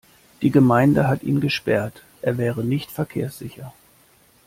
Die Gemeinde hat ihn gesperrt. Er wäre nicht verkehrssicher.